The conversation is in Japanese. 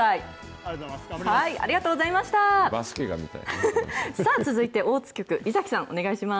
ありがとうございます。